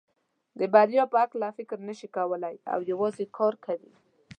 د بریا په هکله فکر نشي کولای او یوازې کار کوي.